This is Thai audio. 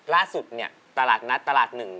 ล่าสุดเนี่ยตลาดนัดตลาดหนึ่ง